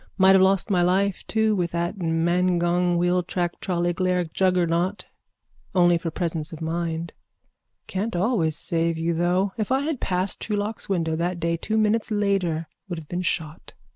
Might have lost my life too with that mangongwheeltracktrolleyglarejuggernaut only for presence of mind. Can't always save you, though. If I had passed Truelock's window that day two minutes later would have been shot.